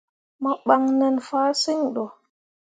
Mo ɓan nen fahsǝŋ ɗo.